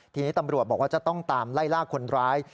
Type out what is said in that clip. ทีนี้ตำรวจบอกว่าจะต้องตามไล่ล่าคนร้าย